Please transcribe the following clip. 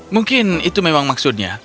mungkin itu memang maksudnya